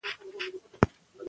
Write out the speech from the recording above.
ساپی ویلي وو چې ناروغان ډېر شول.